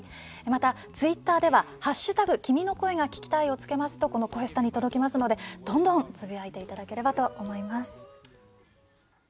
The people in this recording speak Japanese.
また、ツイッターでは「＃君の声が聴きたい」を付けますとこの「こえスタ」に届きますのでどんどんつぶやいていただければと思います。